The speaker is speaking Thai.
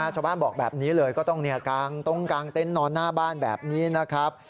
ชาวบ้านบอกแบบนี้เลยก็ต้องกางตรงกลางเต็นต์นอนหน้าบ้านแบบนี้นะครับ